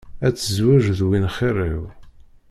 Ad tezweğ d win xiṛ-iw.